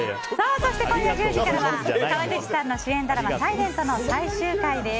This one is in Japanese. そして今夜１０時からは川口さんの主演ドラマ「ｓｉｌｅｎｔ」の最終回です。